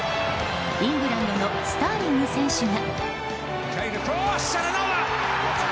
イングランドのスターリング選手が。